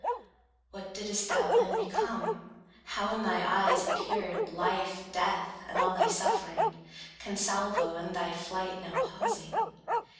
What didst thou then become? How in thy eyes Appeared life, death, and all thy suffering, Consalvo, in thy flight now pausing?